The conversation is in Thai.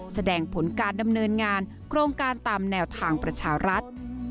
แสดงผลการดำเนินงานโครงการตามแนวทางประชารัฐ